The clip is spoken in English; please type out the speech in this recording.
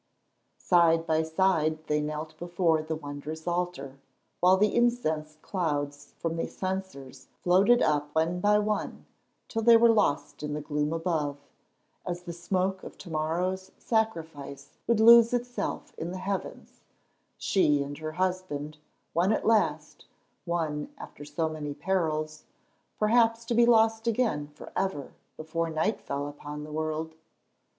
Side by side they knelt before the wondrous altar, while the incense clouds from the censers floated up one by one till they were lost in the gloom above, as the smoke of to morrow's sacrifice would lose itself in the heavens, she and her husband, won at last, won after so many perils, perhaps to be lost again for ever before night fell upon the world.